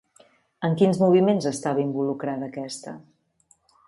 En quins moviments estava involucrada aquesta?